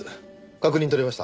確認取れました？